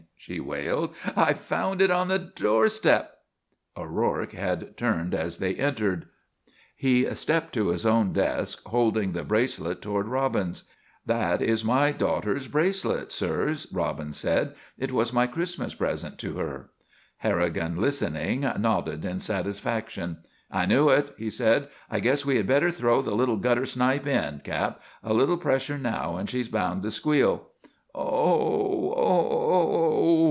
she wailed. "I found it on the door step!" O'Rourke had turned as they entered. He stepped to his own desk, holding the bracelet toward Robbins. "That is my daughter's bracelet, sir," Robbins said. "It was my Christmas present to her." Harrigan, listening, nodded in satisfaction. "I knew it," he said. "I guess we had better throw the little gutter snipe in, cap; a little pressure now and she's bound to squeal." "Oh, oh, oh!"